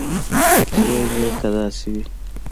ویل یې که داسې وي.